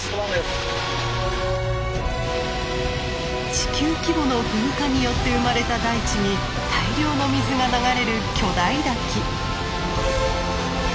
地球規模の噴火によって生まれた大地に大量の水が流れる巨大滝。